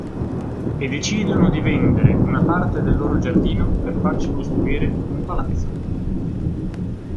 E decidono di vendere una parte del loro giardino per farci costruire un palazzo.